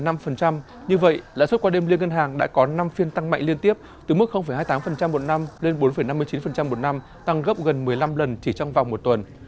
như vậy lãi suất qua đêm liên ngân hàng đã có năm phiên tăng mạnh liên tiếp từ mức hai mươi tám một năm lên bốn năm mươi chín một năm tăng gấp gần một mươi năm lần chỉ trong vòng một tuần